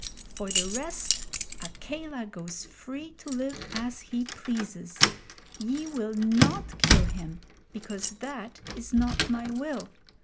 For the rest, Akela goes free to live as he pleases. Ye will not kill him, because that is not my will.